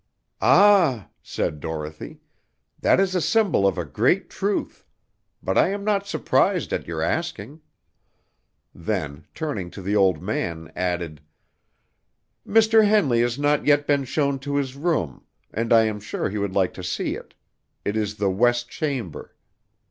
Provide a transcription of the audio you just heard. "Ah!" said Dorothy, "that is a symbol of a great truth; but I am not surprised at your asking;" then, turning to the old man, added: "Mr. Henley has not yet been shown to his room, and I am sure he would like to see it. It is the west chamber."